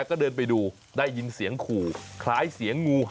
เอาล่ะเดินทางมาถึงในช่วงไฮไลท์ของตลอดกินในวันนี้แล้วนะครับ